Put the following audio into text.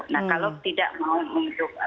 nah kalau tidak mau hidup